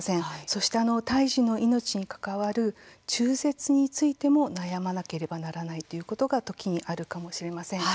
そして胎児の命に関わる中絶についても悩まなければならないということが、時にあるかもしれません。